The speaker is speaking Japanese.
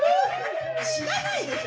知らないでしょ